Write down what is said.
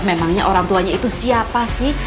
memangnya orang tuanya itu siapa sih